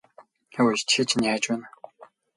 Хөөе чи чинь яаж байна аа?